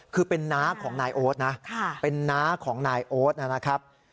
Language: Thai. คือเป็นน้าของนายโอ๊ตนะเป็นน้าของนายโอ๊ตนะครับ